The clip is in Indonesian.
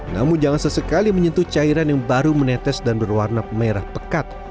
namun jangan sesekali menyentuh cairan yang baru menetes dan berwarna merah pekat